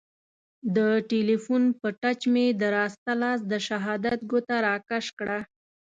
د تیلیفون په ټچ مې د راسته لاس د شهادت ګوته را کش کړه.